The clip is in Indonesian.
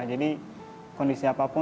jadi bapak itu selalu mengikuti